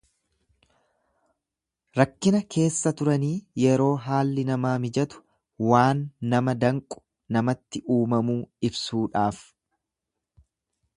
Rakkina keessa turanii yeroo haalli namaa mijatu, waan nama danqu namatti uumamuu ibsuudhaaf.